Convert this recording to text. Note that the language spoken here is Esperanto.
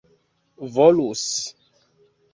volus